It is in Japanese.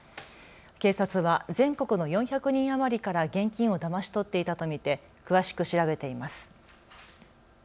警察は全国の４００人余りから現金をだまし取っていたと見て詳しく調べています。